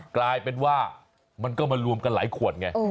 กลายเป็นว่ามันก็มารวมกันหลายขวดไง